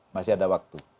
masih ada waktu